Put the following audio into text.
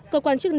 cơ quan chức năng